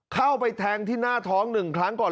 เข้าไปแทงที่หน้าท้อง๑ครั้งก่อน